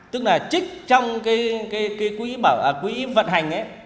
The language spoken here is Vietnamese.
tức là trích trong cái quỹ vận hành